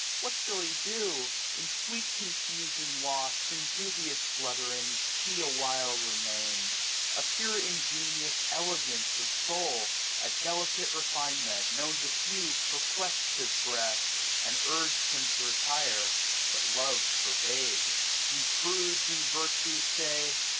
What shall he do ? In sweet confusion lost, .And dubious flutterings, he a while remained : A pure ingenuous elegance of foul, A delicate refinement, known to few, 1295 Perplexed his breast, and urg'd him to retire : But love forbade. Ye prudes in virtue, say.